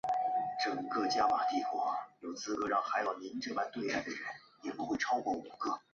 期望产品是消费者采购产品时期望的一系列属性和条件。